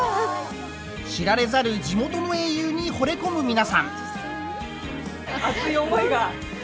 知られざる地元の英雄にほれ込む皆さん。